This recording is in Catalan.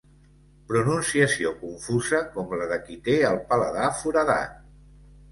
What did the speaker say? Pronunciació confusa com la de qui té el paladar foradat.